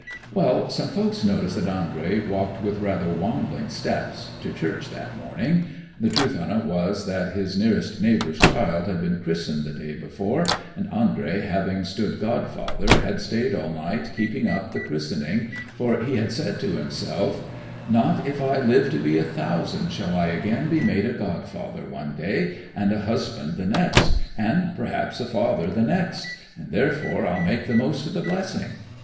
'Well, some folks noticed that Andrey walked with rather wambling steps to church that morning; the truth o't was that his nearest neighbour's child had been christened the day before, and Andrey, having stood godfather, had stayed all night keeping up the christening, for he had said to himself, "Not if I live to be thousand shall I again be made a godfather one day, and a husband the next, and perhaps a father the next, and therefore I'll make the most of the blessing."